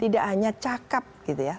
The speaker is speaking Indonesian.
tidak hanya cakep gitu ya